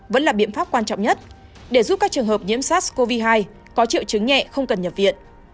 vẫn là biện pháp quan trọng nhất để giúp các trường hợp nhiễm sars cov hai có triệu chứng nhẹ không cần nhập viện